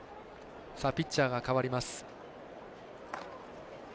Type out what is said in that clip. ピッチャーが変わります。